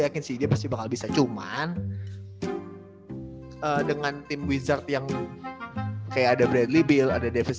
yakin sih dia pasti bakal bisa cuman dengan tim wizard yang kayak ada bradly bill ada davis